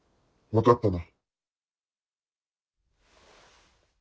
分かったな。